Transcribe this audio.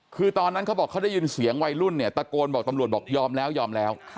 คือตอนนั้นเขาบอกเขาได้ยินเสียงวัยรุ่นเนี่ยตะโกนบอกตำรวจบอกยอมแล้วยอมแล้ว